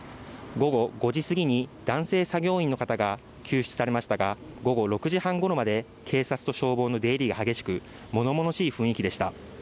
午後５時すぎに男性作業員の方が救出されましたが午後６時半ごろまで警察と消防の出入りが激しくものものしい雰囲気でした。